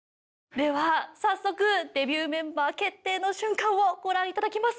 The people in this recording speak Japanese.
では早速デビューメンバー決定の瞬間をご覧頂きます。